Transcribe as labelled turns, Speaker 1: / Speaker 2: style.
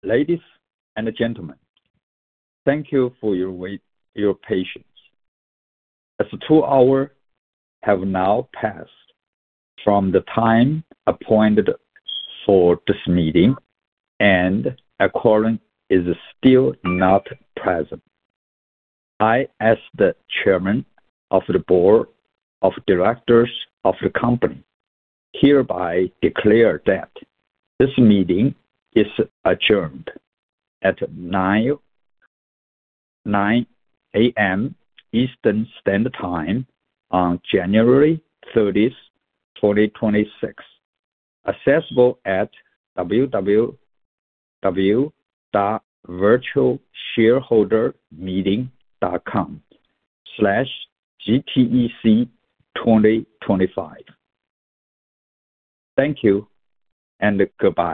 Speaker 1: Ladies and gentlemen, thank you for your patience. The two hours have now passed from the time appointed for this meeting, and a quorum is still not present. I, as the Chairman of the Board of Directors of the company, hereby declare that this meeting is adjourned at 9:00 A.M. Eastern Standard Time on January 30th, 2026, accessible at www.virtualshareholdermeeting.com/gtec2025. Thank you and goodbye.